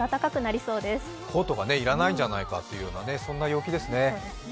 コートがいらないんじゃないかというそんな陽気ですね。